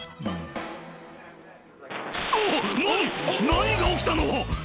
何⁉何が起きたの⁉」